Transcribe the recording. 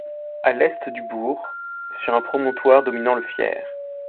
À l'est du bourg, sur un promontoire dominant le Fier.